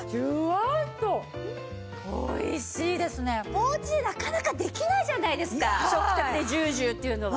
おうちでなかなかできないじゃないですか食卓でジュージューっていうのは。